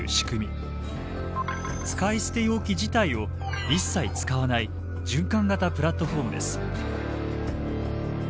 使い捨て容器自体を一切使わない循環型プラットフォームです。